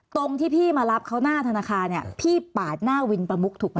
ตรงที่พี่มารับเขาหน้าธนาคารเนี่ยพี่ปาดหน้าวินประมุกถูกไหม